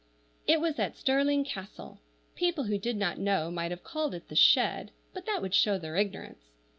IT was at Stirling Castle. People who did not know might have called it the shed, but that would show their ignorance.